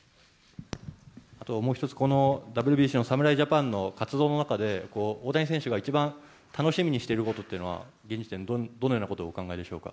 あとはもう一つ、このＷＢＣの侍ジャパンの活動の中で、大谷選手が一番楽しみにしていることというのは、現時点でどのようなことをお考えでしょうか？